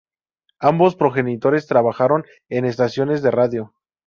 Ambos progenitores trabajaron en estaciones de radio.